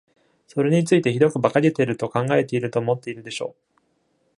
それについてひどく馬鹿げてると考えていると思っているでしょ？